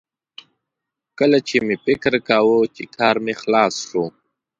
کله چې مې فکر کاوه چې کار مې خلاص شو